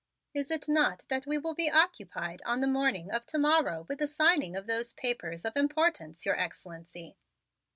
"Is it not that we will be occupied on the morning of to morrow with the signing of those papers of importance, Your Excellency?"